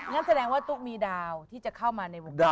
งั้นแสดงว่าตุ๊กมีดาวที่จะเข้ามาในวงการ